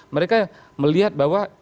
mereka melihat bahwa